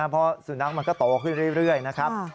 เพราะสุนัขมันก็โตขึ้นเรื่อยนะครับ